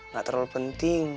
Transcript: gak terlalu penting